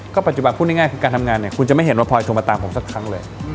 ปัจจุบันพูดง่ายคือการทำงานเนี่ยคุณจะไม่เห็นว่าพลอยโทรมาตามผมสักครั้งเลย